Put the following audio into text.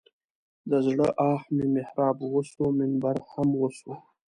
د زړه آه مې محراب وسو منبر هم وسو.